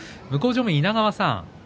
正面、稲川さん